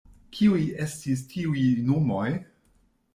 Kiuj estis tiuj nomoj?